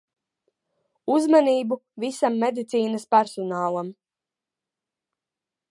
Uzmanību visam medicīnas personālam.